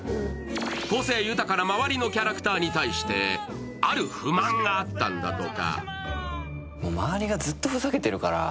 個性豊かな周りのキャラクターに対してある不満があったんだとか。